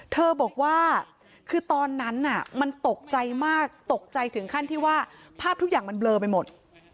เธอบอกว่าคือตอนนั้นมันตกใจมากตกใจถึงขั้นที่ว่าภาพทุกอย่างมันเบลอไปหมด